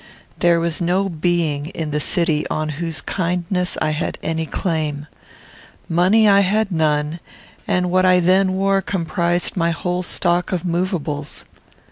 There was no being in the city on whose kindness I had any claim. Money I had none, and what I then wore comprised my whole stock of movables.